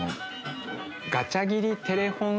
ガチャ切りテレフォン